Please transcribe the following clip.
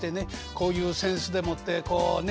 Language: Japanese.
こういう扇子でもってこうね